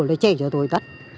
là trẻ cho tôi tất